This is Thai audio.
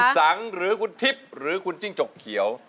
สังหรือคุณทิพย์หรือคุณจิ้งจกเขียว